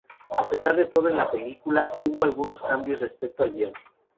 A pesar de todo en la película final hubo algunos cambios respecto al guion.